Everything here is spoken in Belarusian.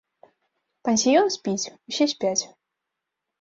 Пансіён спіць, усе спяць.